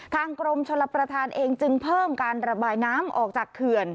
กรมชลประธานเองจึงเพิ่มการระบายน้ำออกจากเขื่อน